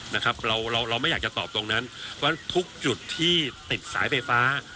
นะครับเราเราไม่อยากจะตอบตรงนั้นเพราะทุกจุดที่ติดสายไฟฟ้า